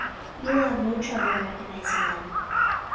You will have no trouble in recognizing them.